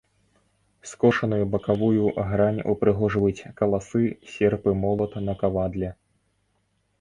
Скошаную бакавую грань упрыгожваюць каласы, серп і молат на кавадле.